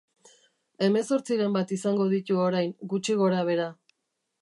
Hemezortziren bat izango ditu orain, gutxi gorabehera.